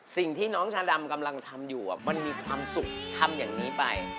สิ่งที่น้องชาดำกำลังทำอยู่มันมีความสุขทำอย่างนี้ไป